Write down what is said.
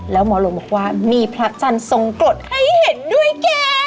แล้วหมอหลวงบอกว่ามีพระจันทร์ทรงกรดให้เห็นด้วยแก